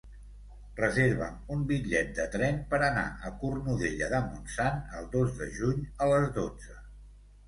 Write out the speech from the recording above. Reserva'm un bitllet de tren per anar a Cornudella de Montsant el dos de juny a les dotze.